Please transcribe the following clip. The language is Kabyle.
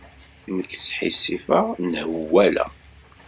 Nekk sḥissifeɣ, nhewwaleɣ.